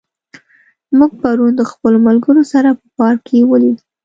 موږ پرون د خپلو ملګرو سره په پارک کې ولیدل.